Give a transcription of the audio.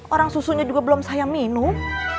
orang susunya juga belum saya minum